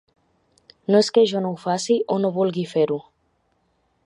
No és que jo no ho faci o no vulgui fer-ho.